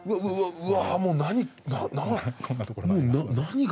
うわ！